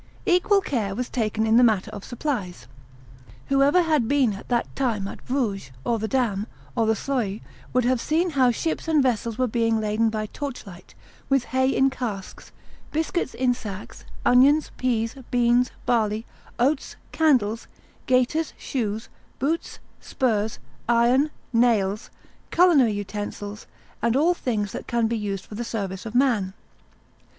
Equal care was taken in the matter of supplies. "Whoever had been at that time at Bruges, or the Dam, or the Sluys would have seen how ships and vessels were being laden by torchlight, with hay in casks, biscuits in sacks, onions, peas, beans, barley, oats, candles, gaiters, shoes, boots, spurs, iron, nails, culinary utensils, and all things that can be used for the service of man."